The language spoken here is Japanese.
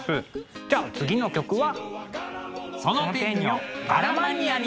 じゃあ次の曲は。